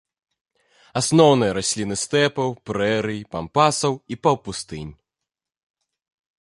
Асноўныя расліны стэпаў, прэрый, пампасаў і паўпустынь.